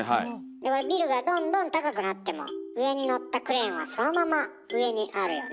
でもビルがどんどん高くなっても上にのったクレーンはそのまま上にあるよね。